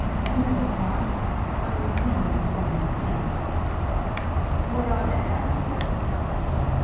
'A little, perhaps. I am thinking of so many things.' 'What are they, I wonder?